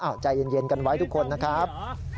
ใจเย็นกันไว้ทุกคนนะครับ